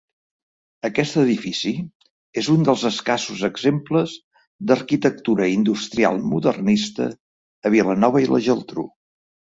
Aquest edifici és un dels escassos exemples d'arquitectura industrial modernista a Vilanova i la Geltrú.